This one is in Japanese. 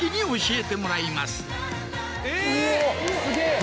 え！